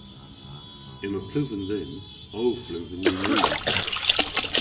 Yma pluven dhymm. Ow fluven yw rudh.